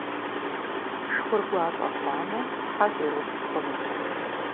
Шхур гуащӏэ хъуамэ, тхьэв ирупщ хъунущ.